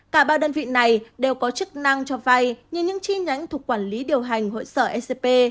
cả ba đơn vị này đều có chức năng cho vay như những chi nhánh thuộc quản lý điều hành hội sở ecp